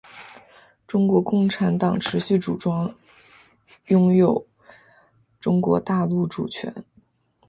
中国共产党持续主张拥有中国大陆主权。